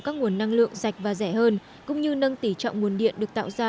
các nguồn năng lượng sạch và rẻ hơn cũng như nâng tỉ trọng nguồn điện được tạo ra